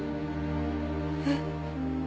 えっ？